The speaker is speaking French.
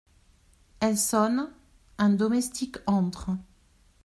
Elle sonne ; un domestique entre.